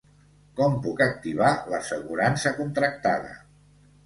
Com puc activar l'assegurança contractada?